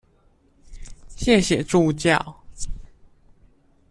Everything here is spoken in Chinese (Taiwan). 謝謝助教